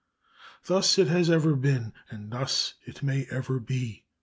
Thus it has ever been, and thus may it ever be.